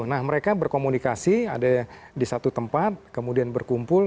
nah mereka berkomunikasi ada di satu tempat kemudian berkumpul